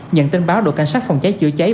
nhận tin báo đội cảnh sát phòng cháy chữa cháy